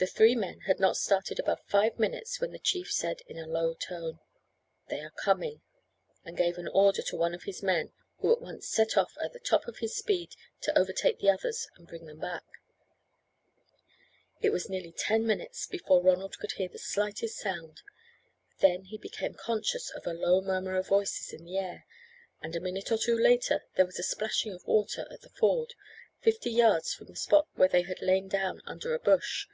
The three men had not started above five minutes, when the chief said in a low tone: "They are coming," and gave an order to one of his men, who at once set off at the top of his speed to overtake the others and bring them back. It was nearly ten minutes before Ronald could hear the slightest sound, then he became conscious of a low murmur of voices in the air, and a minute or two later there was a splashing of water at the ford, fifty yards from the spot where they had lain down under a bush.